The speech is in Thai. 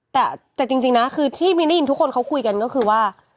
แต่จริงนะคือที่มินได้ยินทุกคนเขาคุยกันก็คือว่า